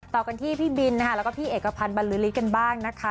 ต่อกันที่พี่บินนะคะแล้วก็พี่เอกพันธ์บรรลือฤทธิ์กันบ้างนะคะ